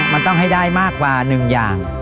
มันต้องให้ได้มากกว่าหนึ่งอย่าง